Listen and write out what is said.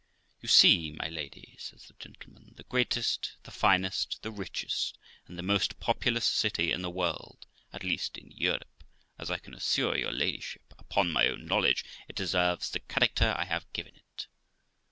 'You see, my lady', says the gentleman, 'the greatest, the finest, the richest, and the most populous city in the world, at least in Europe, as I can assure your ladyship, upon my own knowledge, it deserves the character I have given it.'